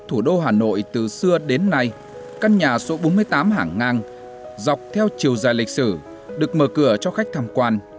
thủ đô hà nội từ xưa đến nay căn nhà số bốn mươi tám hàng ngang dọc theo chiều dài lịch sử được mở cửa cho khách tham quan